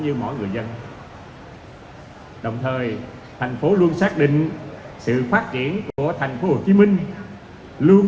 như mỗi người dân đồng thời thành phố luôn xác định sự phát triển của thành phố hồ chí minh luôn